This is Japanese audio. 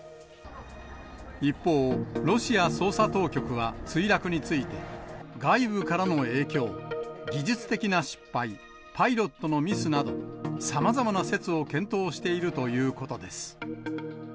一方、ロシア捜査当局は墜落について、外部からの影響、技術的な失敗、パイロットのミスなど、さまざまな説を検討しているということです。